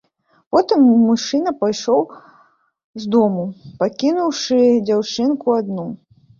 Потым мужчына пайшоў з дому, пакінуўшы дзяўчынку адну.